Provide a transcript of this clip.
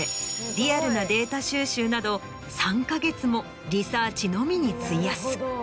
リアルなデータ収集など３か月もリサーチのみに費やす。